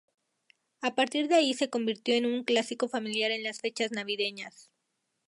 A partir de ahí se convirtió en un clásico familiar en las fechas navideñas.